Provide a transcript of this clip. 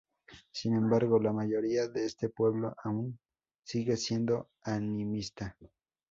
Sin embargo, la mayoría de este pueblo aún sigue siendo animista.